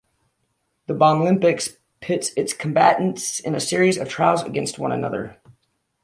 The Bomblympics pits its combatants in a series of trials against one another.